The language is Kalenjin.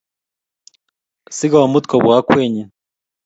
Si komut kobwa akwennyi